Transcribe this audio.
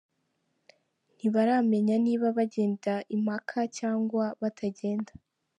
Ntibaramenya niba bagenda i Maka cyangwa batagenda….